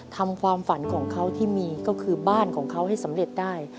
ความฝันของเขาที่มีก็คือบ้านของเขาให้สำเร็จได้